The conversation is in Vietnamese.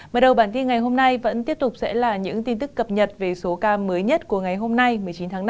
mở đầu bản tin ngày hôm nay vẫn tiếp tục sẽ là những tin tức cập nhật về số ca mới nhất của ngày hôm nay một mươi chín tháng năm